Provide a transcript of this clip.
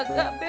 gak gak be